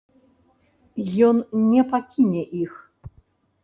Ён не пакіне іх.